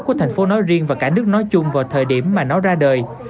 của thành phố nói riêng và cả nước nói chung vào thời điểm mà nó ra đời